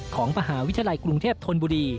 ของมหาวิทยาลัยกรุงเทพธนบุรี